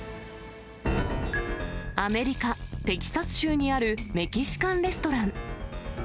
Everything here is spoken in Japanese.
アメリカ・テキサス州にあるメキシカンレストラン。